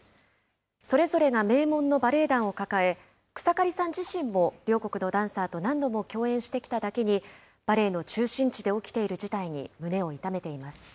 それぞれが名門のバレエ団を抱え、草刈さん自身も両国のダンサーと何度も共演してきただけに、バレエの中心地で起きている事態に胸を痛めています。